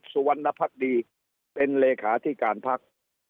มีคุณอัฐวิทย์สุวรรณภักดีเป็นเลขาที่การพัก